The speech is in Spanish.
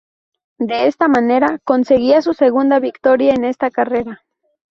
De esta manera, conseguía su segunda victoria en esta carrera.